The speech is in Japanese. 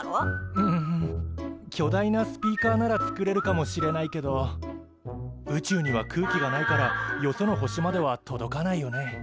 うん巨大なスピーカーなら作れるかもしれないけど宇宙には空気がないからよその星までは届かないよね。